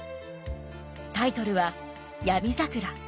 タイトルは「闇桜」。